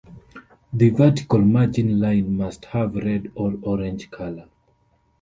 The vertical margin line must have red or orange color.